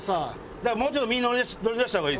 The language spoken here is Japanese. だからもうちょっと身を乗り出した方がいいですよ